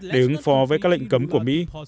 đứng phó với các lệnh cấm của mỹ